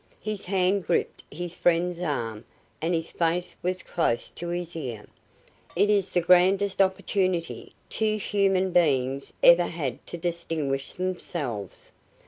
His hand gripped his friend's arm and his face was close to his ear. "It is the grandest opportunity two human beings ever had to distinguish themselves!"